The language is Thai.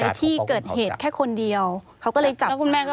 ในที่เกิดเหตุแค่คนเดียวเขาก็เลยจับมา